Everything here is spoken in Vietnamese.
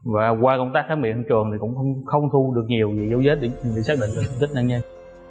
và qua công tác khám mị hành trường thì cũng không thu được nhiều dấu vết để xác định tung tích nạn nhân